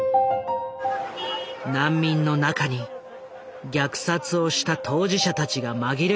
難民の中に虐殺をした当事者たちが紛れ込んでいたのだ。